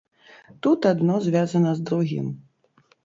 Тут адно звязана з другім.